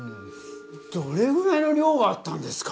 どれぐらいのりょうがあったんですか？